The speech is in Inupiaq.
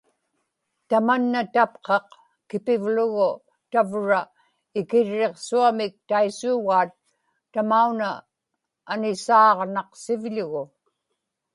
tamanna tapqaq kipivlugu tavra ikirriqsuamik taisuugaat tamauna anisaaġnaqsivlugu